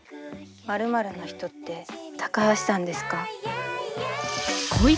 まるまるの人って高橋さんですか？